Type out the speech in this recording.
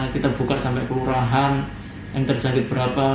kita buka sampai kelurahan yang terjangkit berapa